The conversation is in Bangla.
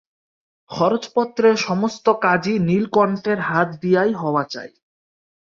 খরচপত্রের সমস্ত কাজই নীলকণ্ঠের হাত দিয়াই হওয়া চাই।